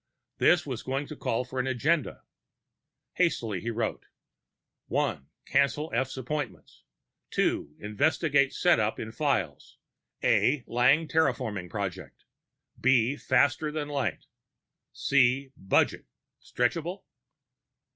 This was going to call for an agenda. Hastily he wrote: 1. Cancel F's appointments 2. Investigate setup in Files a) Lang terraforming project b) faster than light _c) budget stretchable?